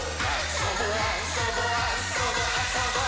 「そぼあそぼあそぼあそぼっ！」